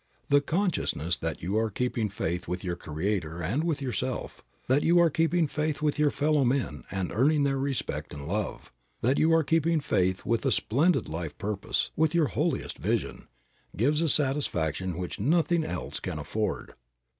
The consciousness that you are keeping faith with your Creator and with yourself, that you are keeping faith with your fellowmen and earning their respect and love, that you are keeping faith with a splendid life purpose, with your holiest vision, gives a satisfaction which nothing else can afford.